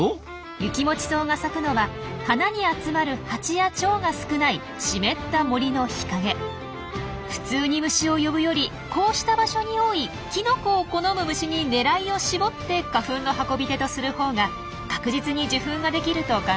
ユキモチソウが咲くのは花に集まるハチやチョウが少ない普通に虫を呼ぶよりこうした場所に多いきのこを好む虫に狙いを絞って花粉の運び手とするほうが確実に受粉ができると考えられるんです。